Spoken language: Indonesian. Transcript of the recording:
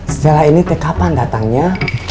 setelah ini kapan datangnya